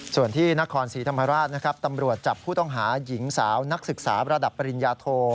ส่วนที่นครศรีธรรมราชนะครับตำรวจจับผู้ต้องหาหญิงสาวนักศึกษาระดับปริญญาโท